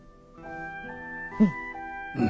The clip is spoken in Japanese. うん。